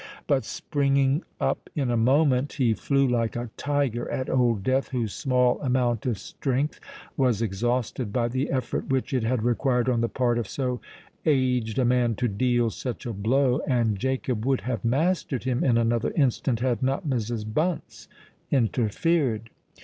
But, springing up in a moment, he flew like a tiger at Old Death, whose small amount of strength was exhausted by the effort which it had required on the part of so aged a man to deal such a blow; and Jacob would have mastered him in another instant, had not Mrs. Bunce interfered.